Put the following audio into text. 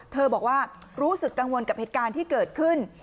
บอกว่ารู้สึกกังวลกับเหตุการณ์ที่เกิดขึ้น